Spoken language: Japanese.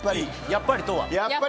やっぱりとは？